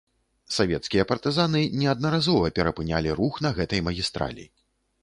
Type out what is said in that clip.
Савецкія партызаны неаднаразова перапынялі рух на гэтай магістралі.